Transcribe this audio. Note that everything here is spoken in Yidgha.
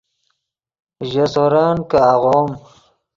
ژے سورن کہ آغوم